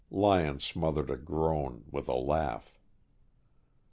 Lyon smothered a groan with a laugh.